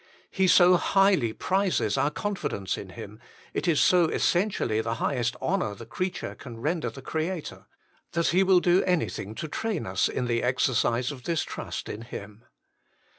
He so highly prizes our confidence in Him, it is so essentially the highest honour the creature can render the Creator, that He will do anything to train us in the exercise of this trust in Him.